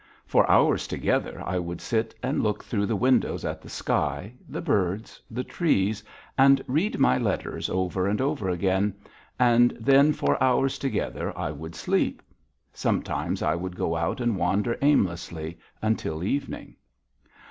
For hours together I would sit and look through the windows at the sky, the birds, the trees and read my letters over and over again, and then for hours together I would sleep. Sometimes I would go out and wander aimlessly until evening.